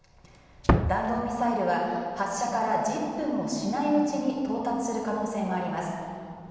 弾道ミサイルは発射から１０分もしないうちに到達する可能性があります。